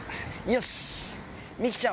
よし！